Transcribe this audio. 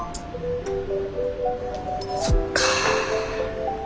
そっか。